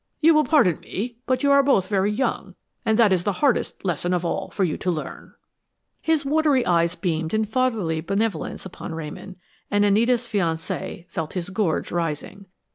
You will pardon me, but you are both very young, and that is the hardest lesson of all for you to learn." His watery eyes beamed in fatherly benevolence upon Ramon, and Anita's fiancé felt his gorge rising.